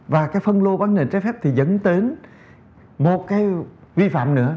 và phân lô bán nền trái phép thì dẫn đến một vi phạm nữa